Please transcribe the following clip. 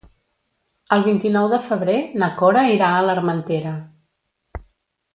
El vint-i-nou de febrer na Cora irà a l'Armentera.